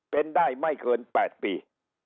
เป็นได้ไม่เกิน๘ปี